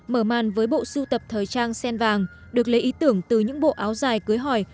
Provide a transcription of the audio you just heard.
mở màn với bộ sưu tập thời trang sen vàng được lấy ý tưởng từ những bộ áo dài cưới hỏi